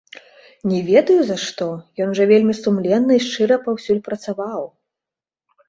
Не ведаю, за што, ён жа вельмі сумленна і шчыра паўсюль працаваў.